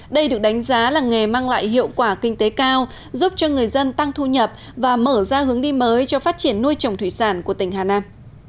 đây được đánh giá là nghề mang lại hiệu quả kinh tế cao giúp cho người dân tăng thu nhập và mở ra hướng đi mới cho phát triển nuôi trồng thủy sản của tỉnh hà nam